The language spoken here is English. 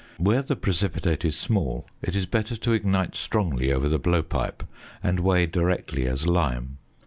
Where the precipitate is small, it is better to ignite strongly over the blowpipe, and weigh directly as lime.